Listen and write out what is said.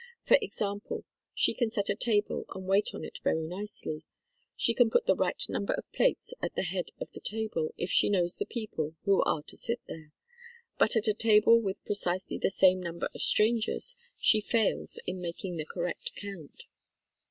For ex ample, she can set a table and wait on it very nicely. She can put the right number of plates at the head of the table, if she knows the people who are to sit there, but at a table with precisely the same number of stran gers, she fails in making the correct count.